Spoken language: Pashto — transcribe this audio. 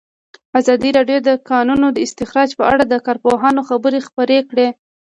ازادي راډیو د د کانونو استخراج په اړه د کارپوهانو خبرې خپرې کړي.